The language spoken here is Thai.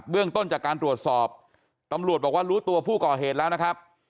เรื่องต้นจากการตรวจสอบตำรวจบอกว่ารู้ตัวผู้ก่อเหตุแล้วนะครับ